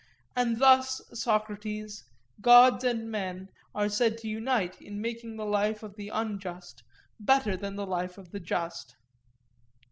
And thus, Socrates, gods and men are said to unite in making the life of the unjust better than the life of the just.